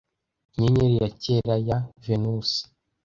inyenyeri ya kera ya venusi